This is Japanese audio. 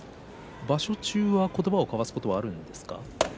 場所中は言葉を交わすことがあるんですか。